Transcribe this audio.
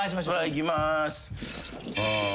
いきます。